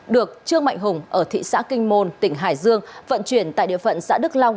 được trương mạnh hùng ở thị xã kinh môn tỉnh hải dương vận chuyển tại địa phận xã đức long